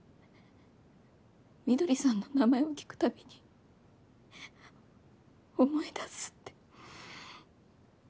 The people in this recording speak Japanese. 翠さんの名前を聞くたびに思い出すって。